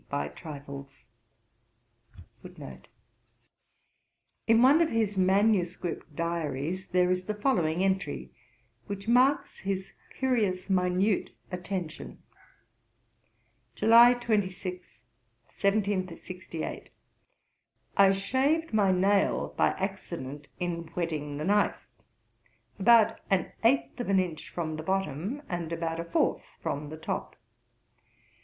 427, note 1. In one of his manuscript Diaries, there is the following entry, which marks his curious minute attention: 'July 26, 1768. I shaved my nail by accident in whetting the knife, about an eighth of an inch from the bottom, and about a fourth from the top.